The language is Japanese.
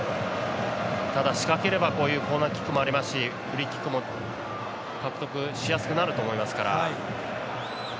ただ、仕掛ければこういうコーナーキックもありますしフリーキックも獲得しやすくなると思いますから。